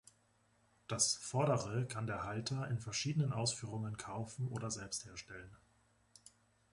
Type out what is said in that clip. Das vordere kann der Halter in verschiedenen Ausführungen kaufen oder selbst herstellen.